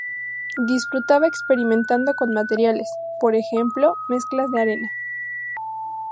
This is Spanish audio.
Disfrutaba experimentando con materiales, por ejemplo mezclas de arena.